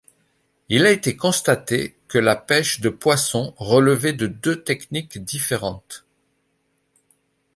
Il a été constaté que la pêche de poissons relevait de deux techniques différentes.